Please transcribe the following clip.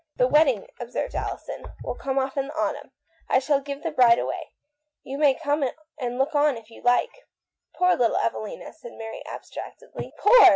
"The wedding," observed Alison, "will come off in the autumn — I shall give the bride away. You may come and look on if you like." " Poor little Evelina," said Mary abstract edly. " Poor